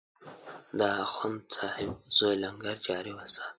د اخندصاحب زوی لنګر جاري وسات.